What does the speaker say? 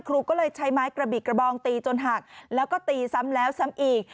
ครูก็เลยใช้ไม้กระบิกระบองตีจนหักแล้วก็ตีซ้ำแล้วซ้ำอีก